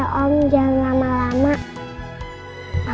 selama anaknya nyaman dia terpaksa